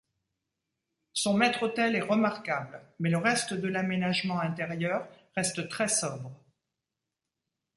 Son maître-autel est remarquable, mais le reste de l'aménagement intérieur reste très sobre.